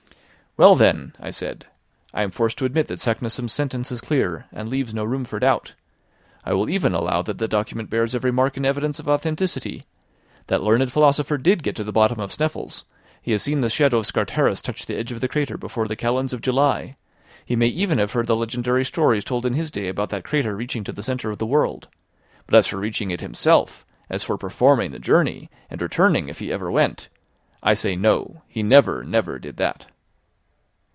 "Well, then," I said, "I am forced to admit that Saknussemm's sentence is clear, and leaves no room for doubt. I will even allow that the document bears every mark and evidence of authenticity. That learned philosopher did get to the bottom of Sneffels, he has seen the shadow of Scartaris touch the edge of the crater before the kalends of July; he may even have heard the legendary stories told in his day about that crater reaching to the centre of the world; but as for reaching it himself, as for performing the journey, and returning, if he ever went, I say no he never, never did that."